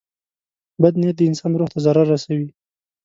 • بد نیت د انسان روح ته ضرر رسوي.